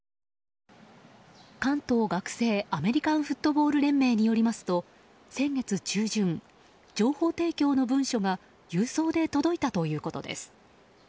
関東学生アメリカンフットボール連盟によりますと先月中旬、情報提供の文書が郵送で届いたということです。